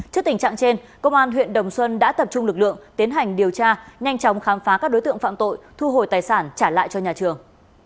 trước tình trạng trên công an huyện đồng xuân đã tập trung lực lượng tiến hành điều tra nhanh chóng khám phá các đối tượng phạm tội thu hồi tài sản trả lại cho nhà trường